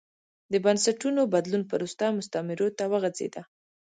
د بنسټونو بدلون پروسه مستعمرو ته وغځېده.